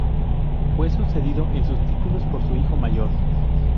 Fue sucedido en sus títulos por su hijo mayor.